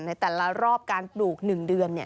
ในแต่ละรอบการปลูก๑เดือน